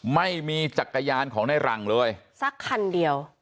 ไม่มีจักรยานของในหลังเลยสักคันเดียว